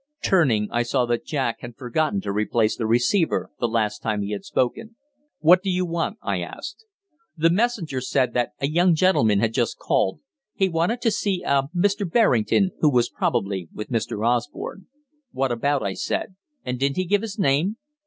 Turning, I saw that Jack had forgotten to replace the receiver the last time he had spoken. "What do you want?" I asked. The messenger said that a "young gentleman" had just called. He wanted to see "a Mr. Berrington" who was probably with Mr. Osborne. "What about?" I said. "And didn't he give his name?"